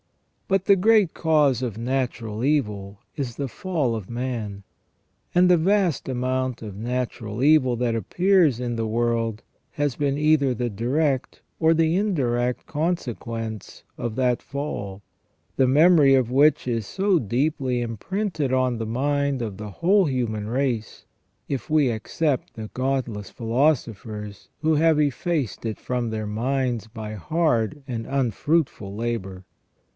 But the great cause of natural evil is the fall of man, and the vast amount of natural evil that appears in the world has been either the direct Or the indirect consequence of that fall, the memory of which is so deeply imprinted on the mind of the whole human race, if we except the godless philosophers, who have effaced it from their minds by hard and unfruitful labour.